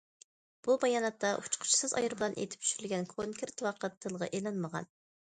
بۇ باياناتتا ئۇچقۇچىسىز ئايروپىلان ئېتىپ چۈشۈرۈلگەن كونكرېت ۋاقىت تىلغا ئېلىنمىغان.